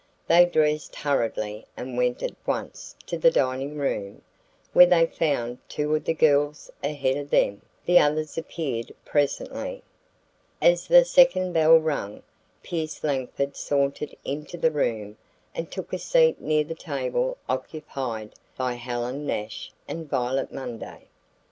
They dressed hurriedly and went at once to the dining room, where they found two of the girls ahead of them. The others appeared presently. As the second bell rang, Pierce Langford sauntered into the room and took a seat near the table occupied by Helen Nash and Violet Munday.